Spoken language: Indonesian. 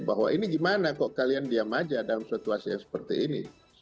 bahwa ini gimana kok kalian diam aja dalam situasi yang seperti ini